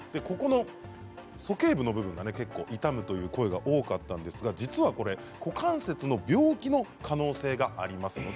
ここの、そけい部の部分が痛むという声が多かったんですが実はこれ股関節の病気の可能性があります。